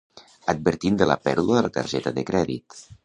Advertint de la pèrdua de la targeta de crèdit.